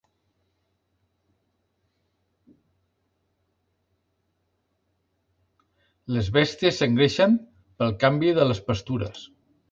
Les bèsties s'engreixen pel canvi de les pastures